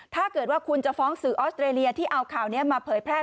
ถ้าเกิดว่าคุณจะฟ้องสื่อออสเตรเลียที่เอาข่าวนี้มาเผยแพร่